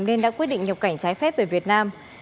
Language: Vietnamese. nên đã quyết định nhập cảnh trái phép về việt nam